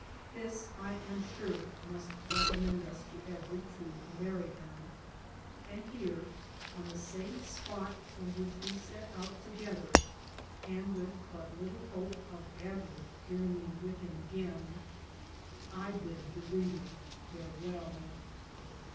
This, I am sure, must recom mend us to every true American ; and here, on the same spot from which we set out together, and with but little hope of ever journeying with him again, I bid the reader farewell.